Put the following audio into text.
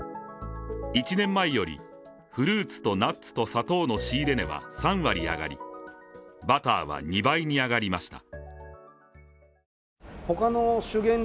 １年前よりフルーツとナッツと砂糖の仕入れ値は３割上がり、バターは２倍に上がりました。